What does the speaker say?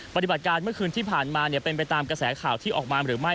ปฏิบัติการเมื่อคืนที่ผ่านมาเป็นไปตามกระแสข่าวที่ออกมาหรือไม่